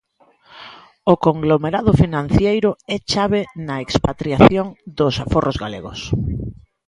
O conglomerado financeiro é chave na expatriación dos aforros galegos.